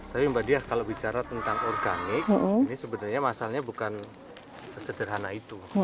tapi mbak diah kalau bicara tentang organik ini sebenarnya masalahnya bukan sesederhana itu